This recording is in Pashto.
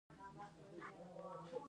انسان بايد هيڅکله احسان هېر نه کړي .